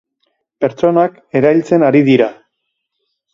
Pertsonak erailtzen ari dira.